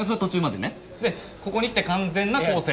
でここに来て完全な更生。